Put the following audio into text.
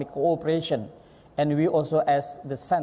dan kami juga sebagai pusat